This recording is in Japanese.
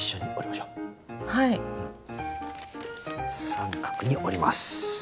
三角に折ります。